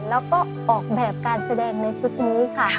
แล้วก็ออกแบบการแสดงในชุดนี้ค่ะ